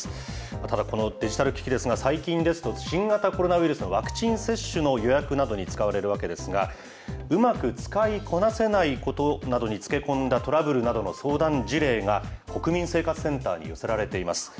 ただ、このデジタル機器ですが、最近ですと、新型コロナウイルスのワクチン接種の予約などに使われるわけですが、うまく使いこなせないことなどにつけ込んだトラブルなどの相談事例が、国民生活センターに寄せられています。